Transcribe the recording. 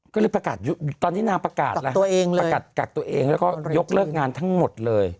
ก็เลยประกาศตอนนี้นางประกาศล่ะตัวเองเลยประกาศกักตัวเองแล้วก็ยกเลิกงานทั้งหมดเลย